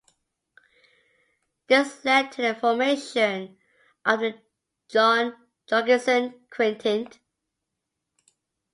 This led to the formation of the John Jorgenson Quintet.